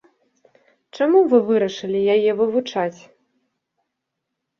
Чаму вы вырашылі яе вывучаць?